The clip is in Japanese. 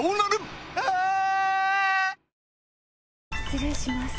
失礼します。